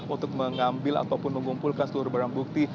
untuk mengambil ataupun mengumpulkan seluruh barang bukti